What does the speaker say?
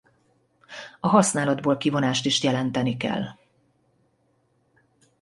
A használatból kivonást is jelenteni kell.